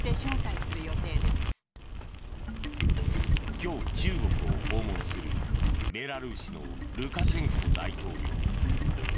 今日、中国を訪問するベラルーシのルカシェンコ大統領。